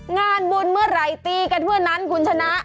งานบุญเมื่อไหร่ตีกันเมื่อนั้นคุณชนะ